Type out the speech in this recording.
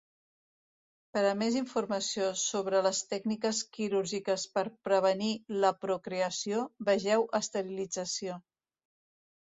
Per a més informació sobre les tècniques quirúrgiques per prevenir la procreació, vegeu esterilització.